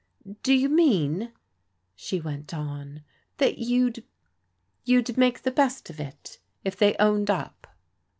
" Do you mean," she went on, *' that you'd — ^you'd make the best of it, if they owned up